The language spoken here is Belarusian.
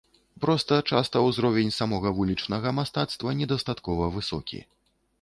Проста часта ўзровень самога вулічнага мастацтва недастаткова высокі.